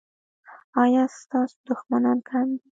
ایا ستاسو دښمنان کم دي؟